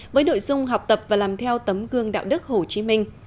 với nội dung học tập và làm theo tấm gương đạo đức hồ chí minh